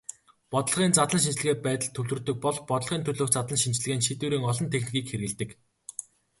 Бодлогын задлан шинжилгээ байдалд төвлөрдөг бол бодлогын төлөөх задлан шинжилгээнд шийдвэрийн олон техникийг хэрэглэдэг.